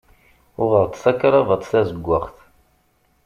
Uɣeɣ-d takravat tazeggaɣt.